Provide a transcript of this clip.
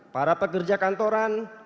para pekerja kantoran